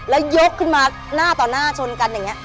แล้วยกขึ้นมาหน้าต่อหน้าชนกันอย่างนี้